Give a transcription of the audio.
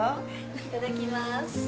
いただきます。